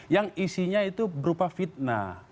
yang isinya itu berupa fitnah